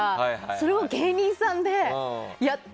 それを芸人さんでやって。